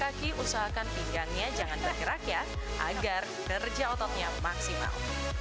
saat menendang kaki usahakan pinggannya jangan bergerak ya agar kerja ototnya maksimal